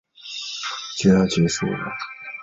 巨海豚是虎鲸般大小的剑吻古豚亲属。